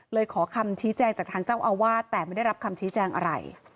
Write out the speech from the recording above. ขอคำชี้แจงจากทางเจ้าอาวาสแต่ไม่ได้รับคำชี้แจงอะไร